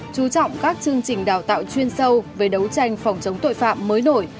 chú trọng các chương trình đào tạo chuyên sâu về đấu tranh phòng chống tội phạm mới nổi